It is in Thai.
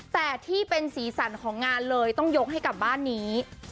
แต่ที่เป็นสีสันของงานเลยต้องยกให้กับบ้านนี้